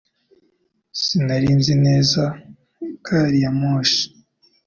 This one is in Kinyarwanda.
Sinari nzi neza gari ya moshi